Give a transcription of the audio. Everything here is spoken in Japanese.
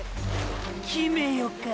決めよか？